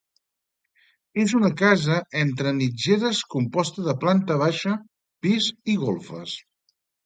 És una casa entre mitgeres composta de planta baixa, pis i golfes.